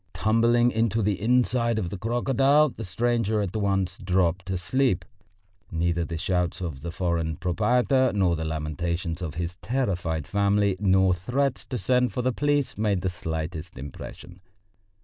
Tumbling into the inside of the crocodile, the stranger at once dropped asleep. Neither the shouts of the foreign proprietor, nor the lamentations of his terrified family, nor threats to send for the police made the slightest impression.